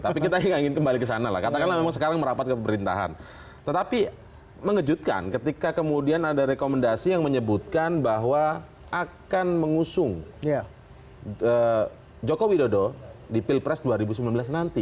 tapi kita tidak ingin kembali ke sana lah katakanlah memang sekarang merapat ke pemerintahan tetapi mengejutkan ketika kemudian ada rekomendasi yang menyebutkan bahwa akan mengusung joko widodo di pilpres dua ribu sembilan belas nanti